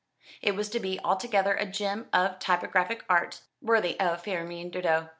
It was to be altogether a gem of typographic art, worthy of Firmin Didot.